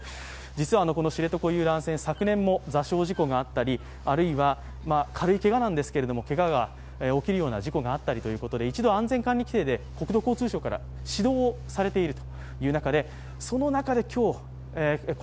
実はこの知床遊覧船、昨年も座礁事故があったりあるいは軽いけがなんですけれども、けがが起きるような事故があったりと、一度、安全管理規程で国土交通省から指導されている。